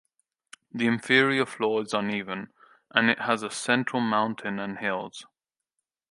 The interior floor is uneven, and it has a central mountain and hills.